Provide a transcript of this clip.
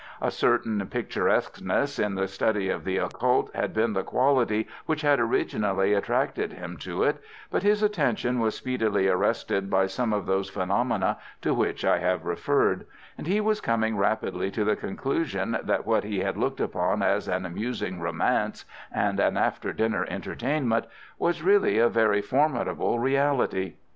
A certain picturesqueness in the study of the occult had been the quality which had originally attracted him to it, but his attention was speedily arrested by some of those phenomena to which I have referred, and he was coming rapidly to the conclusion that what he had looked upon as an amusing romance and an after dinner entertainment was really a very formidable reality.